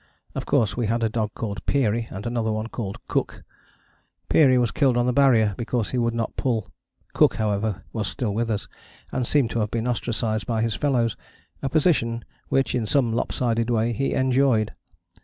Of course we had a dog called Peary, and another one called Cooke. Peary was killed on the Barrier because he would not pull. Cooke, however, was still with us, and seemed to have been ostracized by his fellows, a position which in some lop sided way he enjoyed.